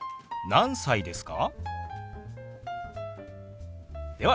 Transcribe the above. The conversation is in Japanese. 何歳ですか？